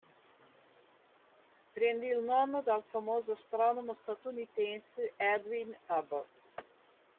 Prende il nome dal famoso astronomo statunitense Edwin Hubble.